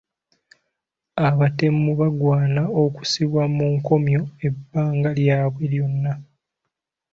Abatemu bagwana kussibwa mu nkomyo ebbanga lyabwe lyonna.